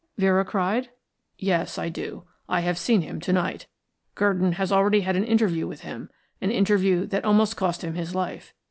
Vera cried. "Yes, I do. I have seen him to night. Gurdon has already had an interview with him an interview that almost cost him his life.